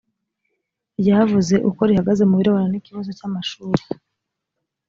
ryavuze uko rihagaze mu birebana n’ ikibazo cy’ amashuri